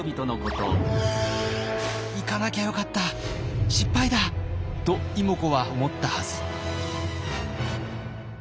「行かなきゃよかった失敗だ！」と妹子は思ったはず。